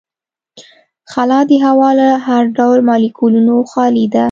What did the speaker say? خلا د هوا له هر ډول مالیکولونو خالي ده.